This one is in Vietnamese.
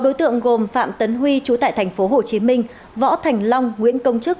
sáu đối tượng gồm phạm tấn huy chú tại tp hcm võ thành long nguyễn công trức